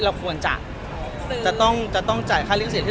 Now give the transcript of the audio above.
บริเวณการของทางค่ายที่คุยกัน